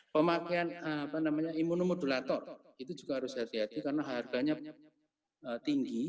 pemakaian imunomodulator itu juga harus hati hati karena harganya tinggi